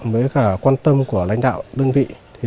với cả quan tâm của lãnh đạo đơn vị